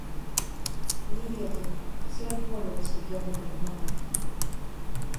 Не ведаю, ці адмовілася б яму дапамагаць.